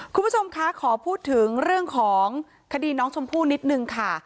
คุณผู้ชมคะขอพูดถึงเรื่องของคดีน้องชมพู่นิดนึงค่ะ